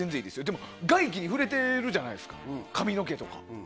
でも、外気に触れてるじゃないですか髪の毛とか。